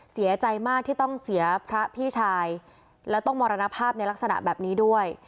เสียใจมากที่ต้องเสียพระพี่ชายและต้องมรณภาพในลักษณะแบบนี้ด้วย